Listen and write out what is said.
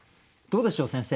どうでしょう？